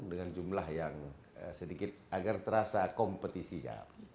dengan jumlah yang sedikit agar terasa kompetisinya